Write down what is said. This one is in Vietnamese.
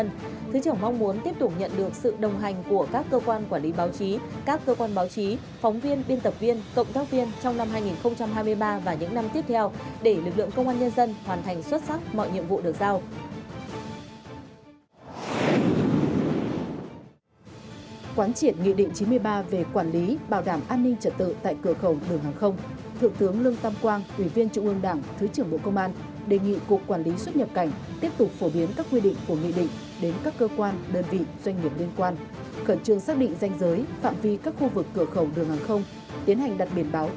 những thành công của các cơ quan quản lý báo chí các cơ quan báo chí phóng viên biên tập viên cộng tác viên trong năm hai nghìn hai mươi ba và những năm tiếp theo để lực lượng công an nhân dân hoàn thành xuất sắc mọi nhiệm vụ được giao